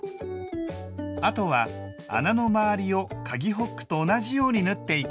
あとは穴の周りをかぎホックと同じように縫っていくだけ。